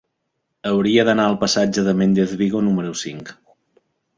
Hauria d'anar al passatge de Méndez Vigo número cinc.